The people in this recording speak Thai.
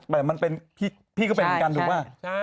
แต่มันเป็นพี่ก็เป็นเหมือนกันถูกป่ะ